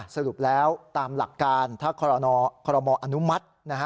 สรุปแล้วตามหลักการถ้าคอรมออนุมัติ